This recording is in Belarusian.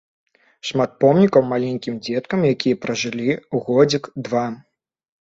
Шмат помнікаў маленькім дзеткам, якія пражылі годзік, два.